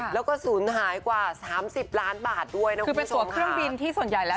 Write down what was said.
แล้วก็ศูนย์หายกว่าสามสิบล้านบาทด้วยนะคะคือเป็นตัวเครื่องบินที่ส่วนใหญ่แล้ว